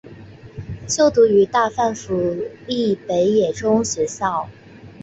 就读于大阪府立北野中学校。